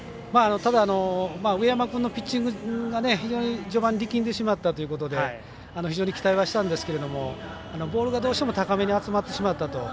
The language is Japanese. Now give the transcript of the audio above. ただ、上山君のピッチングが非常に序盤力んでしまったということで非常に期待はしたんですけどもボールがどうしても高めに集まってしまったと。